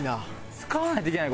使わないといけない？